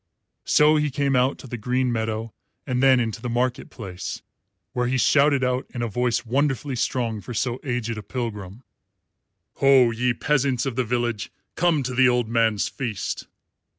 So he came out to the green meadow and then into the market place, where he shouted out, in a voice wonderfully strong for so aged a pilgrim, "Ho, ye peasants of the village, come to the old man's feast."